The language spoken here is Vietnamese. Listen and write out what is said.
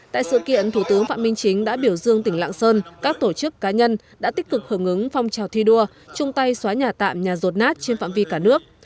tại sự kiện thủ tướng phạm minh chính đã biểu dương tỉnh lạng sơn các tổ chức cá nhân đã tích cực hưởng ứng phong trào thi đua chung tay xóa nhà tạm nhà rột nát trên phạm vi cả nước